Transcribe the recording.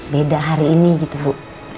beda hari ini gitu bu